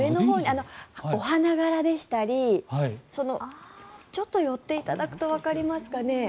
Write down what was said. お花柄でしたりちょっと寄っていただくとわかりますかね。